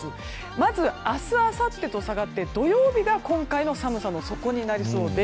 まず、明日あさってと下がって土曜日が今回の寒さの底になりそうです。